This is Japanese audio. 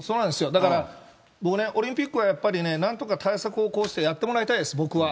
だから、僕ね、オリンピックはやっぱりね、なんとか対策を講じてやってもらいたいです、僕は。